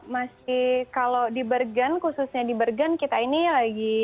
masih kalau di bergen khususnya di bergen kita ini lagi